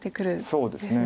そうですね。